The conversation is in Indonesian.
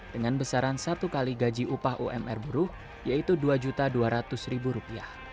dengan besaran satu kali gaji upah umr buruh yaitu rp dua dua ratus